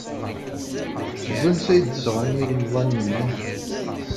Seg wansi ay d-sɣan ilemḍanen-nni?